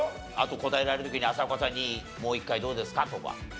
答えられる時に浅丘さんにもう一回どうですか？とか。